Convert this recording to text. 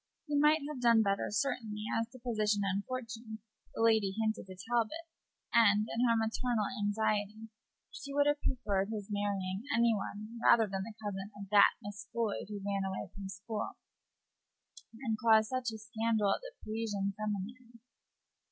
He might have done better, certainly, as to position and fortune, the lady hinted to Talbot; and, in her maternal anxiety, she would have preferred his marrying any one rather than the cousin of that Miss Floyd, who ran away from school and caused such a scandal at the Parisian seminary.